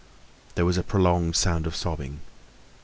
There was a prolonged sound of sobbing.